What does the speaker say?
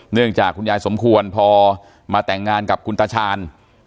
เนื่องจากคุณยายสมควรพอมาแต่งงานกับคุณตาชาญ